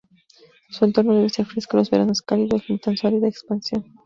Su entorno deber ser fresco, los veranos cálidos limitan su área de expansión.